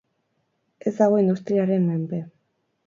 Ez dago industriaren menpe.